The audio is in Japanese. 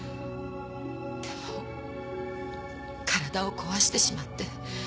でも体を壊してしまって。